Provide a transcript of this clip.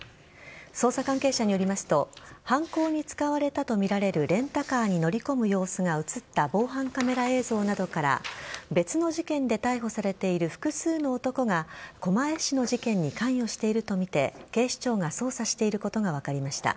捜査関係者によりますと犯行に使われたとみられるレンタカーに乗り込む様子が映った防犯カメラ映像などから別の事件で逮捕されている複数の男が狛江市の事件に関与しているとみて警視庁が捜査していることが分かりました。